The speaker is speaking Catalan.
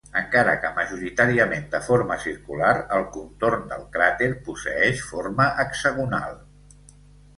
Encara que majoritàriament de forma circular, el contorn del cràter posseeix forma hexagonal.